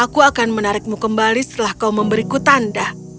aku akan menarikmu kembali setelah kau memberiku tanda